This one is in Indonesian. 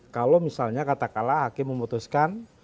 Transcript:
kalau misalnya kata kala hakim memutuskan